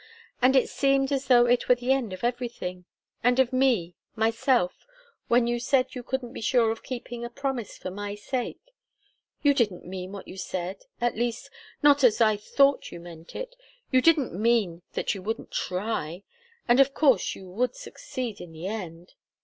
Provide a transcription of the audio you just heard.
And it seemed as though it were the end of everything, and of me, myself, when you said you couldn't be sure of keeping a promise for my sake. You didn't mean what you said at least, not as I thought you meant it you didn't mean that you wouldn't try and of course you would succeed in the end."